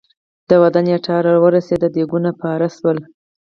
د واده نېټه را ورسېده ديګونه بار شول.